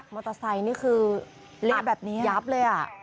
มอเตอร์ไซค์นี่คือเลี้ยงแบบนี้ยับเลยอ่ะ